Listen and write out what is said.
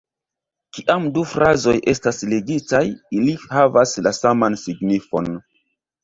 Kiam du frazoj estas ligitaj, ili havas la saman signifon.